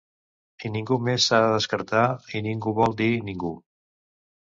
I ningú més s’ha de descartar, i ningú vol dir ningú.